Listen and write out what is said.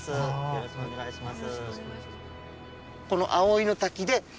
よろしくお願いします。